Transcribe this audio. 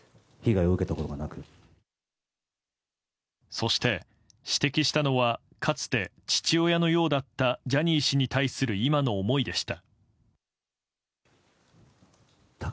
そして、指摘したのはかつて父親のようだったとするジャニー氏に対する今の思いでした。